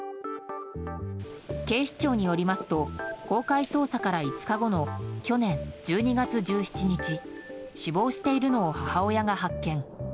警視庁によりますと公開捜査から５日後の去年１２月１７日死亡しているのを母親が発見。